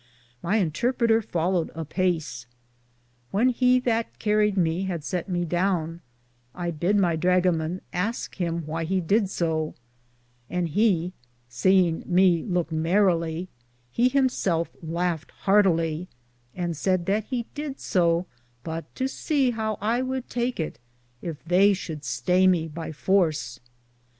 My intrpreter folloed apase. When he that carried me had sette me doune, I bid my drugaman aske him why he did so, and he, seinge me louk merrely, he him selfe laughed hartaly, and saide that he did so but to se how I would tak it yf they should staye me by force.